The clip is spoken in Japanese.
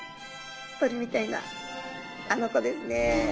鳥みたいなあの子ですね。